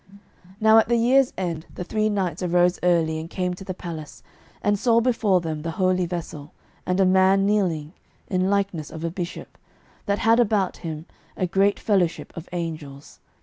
Now at the year's end the three knights arose early and came to the palace, and saw before them the holy vessel, and a man kneeling, in likeness of a bishop, that had about him a great fellowship of angels.